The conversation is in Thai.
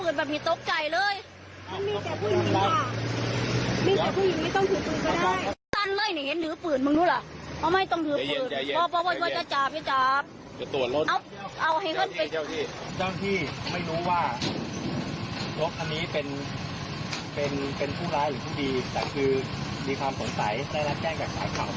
นะครับ